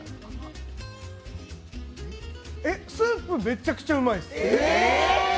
えっ、スープ、めちゃくちゃうまいです。